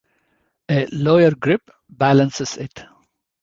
A lower grip balances it.